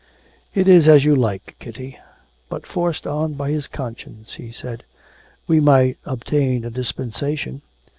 'It is as you like, Kitty.' But forced on by his conscience, he said: 'We might obtain a dispensation....